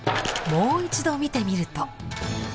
もう一度見てみると。